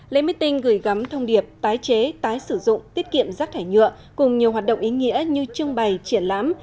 lễ mít tinh gửi gắm thông điệp tái chế tái sử dụng tiết kiệm rác thải nhựa cùng nhiều hoạt động ý nghĩa như trương bày triển lãm